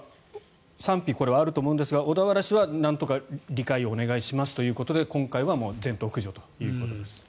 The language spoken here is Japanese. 賛否あると思うんですが小田原市はなんとか理解をお願いしますということで今回は全頭駆除ということです。